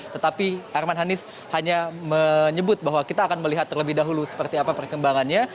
tetapi arman hanis hanya menyebut bahwa kita akan melihat terlebih dahulu seperti apa perkembangannya